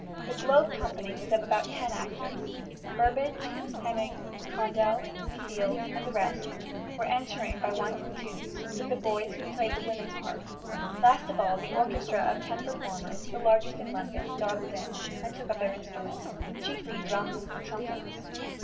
The Globe company of about ten actors, Burbage, Heminge, Condell, Field and the rest, were entering by ones and twos, with the boys who played women's parts: last of all, the orchestra of ten performers, the largest in London, dawdled in, and took up their instruments chiefly drums and trumpets.